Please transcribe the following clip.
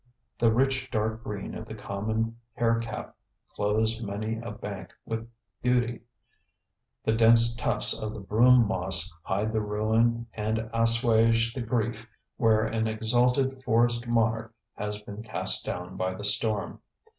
The rich dark green of the common hair cap clothes many a bank with beauty, the dense tufts of the broom moss hide the ruin and assuage the grief where an exalted forest monarch has been cast down by the storm.